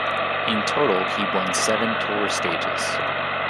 In total, he won seven Tour stages.